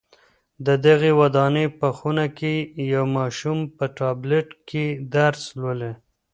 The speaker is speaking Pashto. د دغي ودانۍ په خونه کي یو ماشوم په ټابلېټ کي درس لولي.